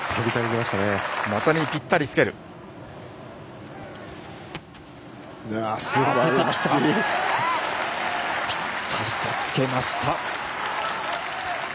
ぴったりとつけました。